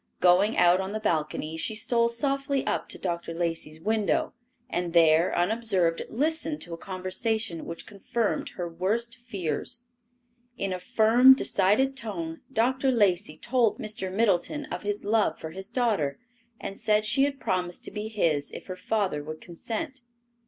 Going out on the balcony, she stole softly up to Dr. Lacey's window, and there, unobserved, listened to a conversation which confirmed her worst fears. In a firm, decided tone, Dr. Lacey told Mr. Middleton of his love for his daughter, and said she had promised to be his if her father would consent.